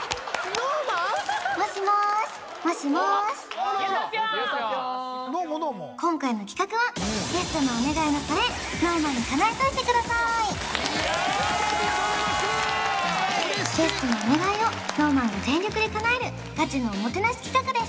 どうもどうもゲストのお願いをＳｎｏｗＭａｎが全力で叶えるガチのおもてなし企画です